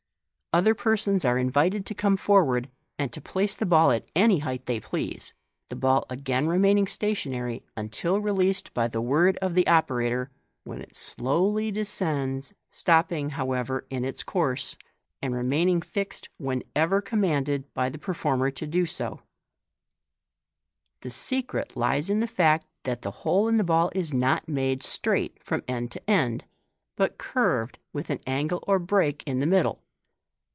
Other persons are invited to come forward, and to place the ball at any height they please, the ball again remaining stationary until released by the word of the operator, when it slowly descends, stopping, however, in its course, and remaining fixed whenever commanded by the performer to do so 302 MODERN MAGIC. The secret lies in the fact that the hole in the ball is not made straight from end to end, but curved, with an angle or break in the middle.